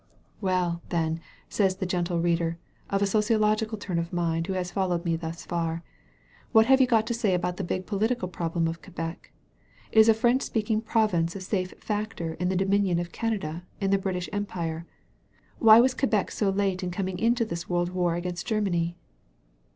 "Well, then," says the gentle reader, of a socio logical turn of mind, who has fdlowed me thus far, "what have you got to say about the big pdiitical problem of Quebec? Is a French speaking province a safe factor in the Dominion of Can ada, in the British^ Empire? Why was Quebec so late in coming into this world war against Grer many?"